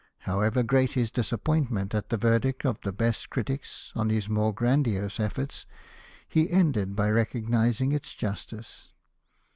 However great his disappointment at the verdict of the best critics on his more grandiose efforts, he ended by recognising its justice.